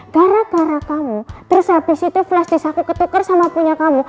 gara gara kamu terus abis itu flashdisk aku ketuker sama punya kamu